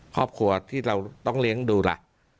ครอบครัวที่เราต้องเลี้ยงดูล่ะ